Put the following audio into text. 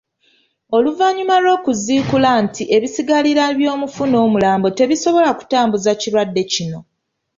Oluvannyuma lw'okukizuula nti ebisigalira by'omufu n'omulambo tebisobola kutambuza kirwadde kino.